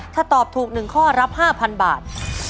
ถ้าตอบถูก๑ข้อรับ๕๐๐บาท